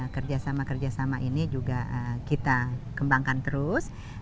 kerjasama kerjasama ini juga kita kembangkan terus